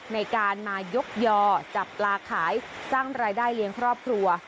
ในการมายกยอจับปลาขายสร้างรายได้เลี้ยงครอบครัว